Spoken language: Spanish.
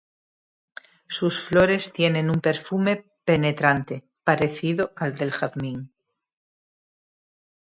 Sus flores tienen un perfume penetrante parecido al del jazmín.